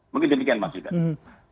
mungkin demikian mas